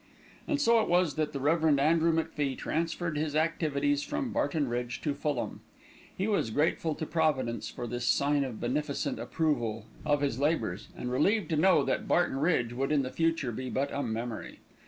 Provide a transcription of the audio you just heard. And so it was that the Rev. Andrew MacFie transferred his activities from Barton Bridge to Fulham. He was grateful to Providence for this sign of beneficent approval of his labours, and relieved to know that Barton Bridge would in the future be but a memory.